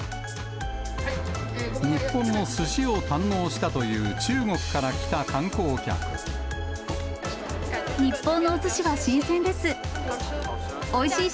日本のすしを堪能したという、日本のおすしは新鮮です。